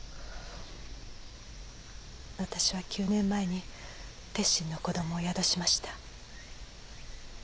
私は９年前に鉄心の子どもを宿しました。